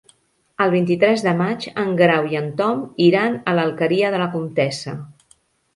El vint-i-tres de maig en Grau i en Tom iran a l'Alqueria de la Comtessa.